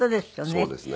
そうですね。